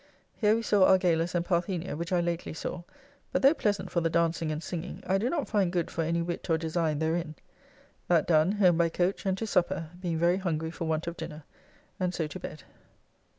Here we saw Argalus and Parthenia, which I lately saw, but though pleasant for the dancing and singing, I do not find good for any wit or design therein. That done home by coach and to supper, being very hungry for want of dinner, and so to bed.